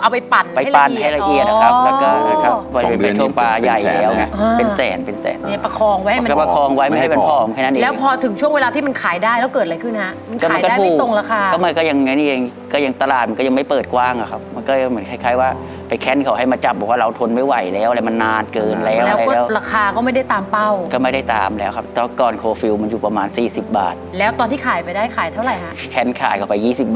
วาร้ายพันบาทครับเสื้อขโกงไก่ข้อกายโม่ครับวันนึงก็ประมาณสองพันบาทส์